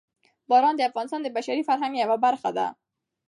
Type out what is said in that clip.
باران د افغانستان د بشري فرهنګ یوه برخه ده.